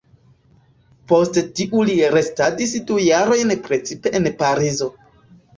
Post tiu li restadis du jarojn precipe en Parizo.